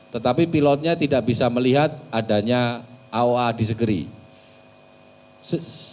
tetapi pilotnya tidak bisa melihat adanya aoa disagery